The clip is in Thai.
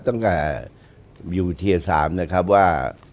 ตั้งแต่อยู่เทีย๓นะครับว่า